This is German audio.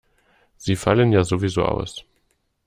Sie fallen ja sowieso aus.